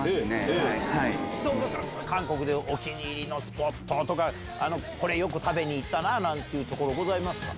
韓国でお気に入りのスポットとか、これよく食べに行ったなというところ、ございます？